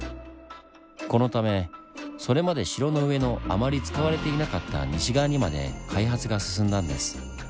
このためそれまで城の上のあまり使われていなかった西側にまで開発が進んだんです。